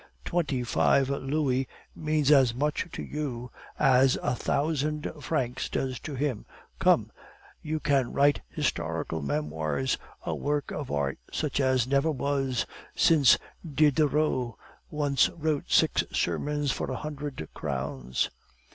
Twenty five louis means as much to you as a thousand francs does to him. Come, you can write historical memoirs, a work of art such as never was, since Diderot once wrote six sermons for a hundred crowns!